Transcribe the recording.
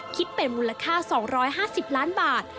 คิดเป็นมูลค่า๒๕๐ล้านบาท